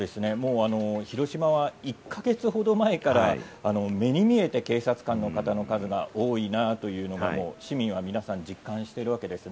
広島は１か月ほど前から、目に見えて警察官の方の数が多いなというのを市民は皆さん、実感しているわけです。